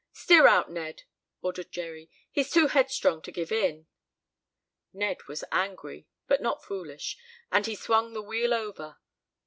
"Steer out, Ned," ordered Jerry. "He's too headstrong to give in." Ned was angry, but not foolish, and he swung the wheel over.